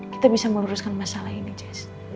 kita bisa meluruskan masalah ini jazz